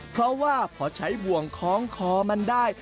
เพราะว่าพอใช้บ่วงคล้องคอมันได้